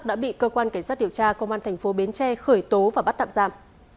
đã bị cơ quan cảnh sát điều tra công an thành phố bến tre khởi tố và bắt tạm giam